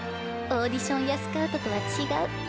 オーディションやスカウトとは違う。